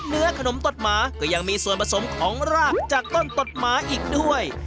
เนื้อขนมตดหมาก็ยังมีส่วนผสมของรากจากต้นตดหมาอีกด้วย